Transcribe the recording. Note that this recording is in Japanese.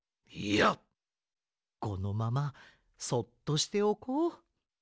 いやこのままそっとしておこう。